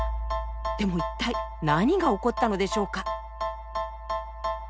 でも一体何が起こったのでしょうか？